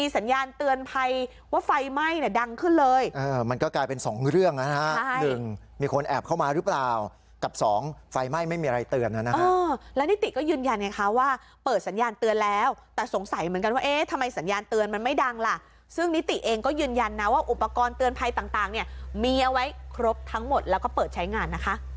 สองเรื่องน่ะฮะหนึ่งมีคนแอบเข้ามาหรือเปล่ากับสองไฟไหม้ไม่มีอะไรเตือนน่ะนะฮะเออแล้วนิติก็ยืนยันเนี้ยค่ะว่าเปิดสัญญาณเตือนแล้วแต่สงสัยเหมือนกันว่าเอ๊ยทำไมสัญญาณเตือนมันไม่ดังล่ะซึ่งนิติเองก็ยืนยันนะว่าอุปกรณ์เตือนภัยต่างต่างเนี้ยมีเอาไว้ครบทั้งหมดแล้วก็เปิดใช้งาน